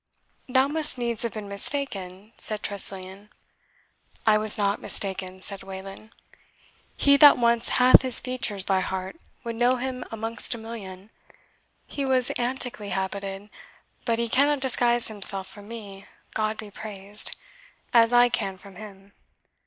"Thou must needs have been mistaken," said Tressilian. "I was not mistaken," said Wayland; "he that once hath his features by heart would know him amongst a million. He was anticly habited; but he cannot disguise himself from me, God be praised! as I can from him.